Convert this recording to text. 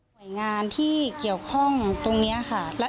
หน่วยงานที่เกี่ยวข้องตรงนี้ค่ะ